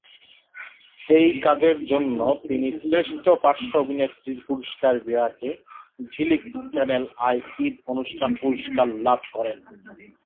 এই কাজের জন্য তিনি শ্রেষ্ঠ পার্শ্ব অভিনেত্রীর পুরস্কার বিভাগে ঝিলিক-চ্যানেল আই ঈদ অনুষ্ঠান পুরস্কার লাভ করেন।